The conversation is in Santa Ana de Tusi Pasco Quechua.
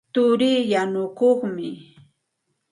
Turii yanukuqmi.